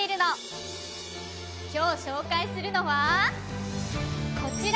今日紹介するのはこちら！